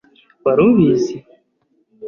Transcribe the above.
Wari ubizi?